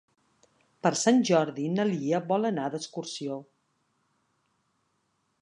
Per Sant Jordi na Lia vol anar d'excursió.